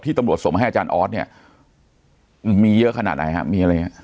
ที่ตำรวจสมให้อาจารย์ออสเนี่ยมีเยอะขนาดไหนครับ